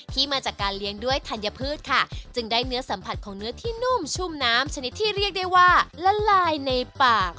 มาจากการเลี้ยงด้วยธัญพืชค่ะจึงได้เนื้อสัมผัสของเนื้อที่นุ่มชุ่มน้ำชนิดที่เรียกได้ว่าละลายในปาก